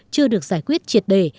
chưa được giải quyết triệt đề